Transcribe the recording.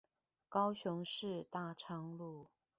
高雄市大昌路